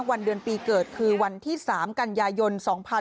วันเดือนปีเกิดคือวันที่๓กันยายน๒๕๖๒